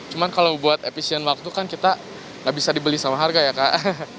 cuma kalau buat efisien waktu kan kita nggak bisa dibeli sama harga ya kak